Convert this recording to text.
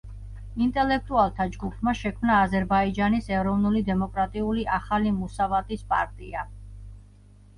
ინტელექტუალთა ჯგუფმა შექმნა „აზერბაიჯანის ეროვნული დემოკრატიული ახალი მუსავატის პარტია“.